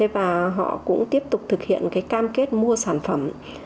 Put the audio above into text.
và họ cũng tiếp tục thực hiện cam kết mua sản phẩm